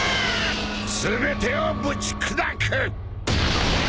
全てをぶち砕く！